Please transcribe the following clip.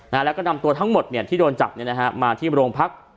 นะฮะแล้วก็นำตัวทั้งหมดเนี่ยที่โดนจับเนี่ยนะฮะมาที่โรงพัก